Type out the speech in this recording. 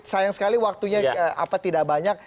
sayang sekali waktunya tidak banyak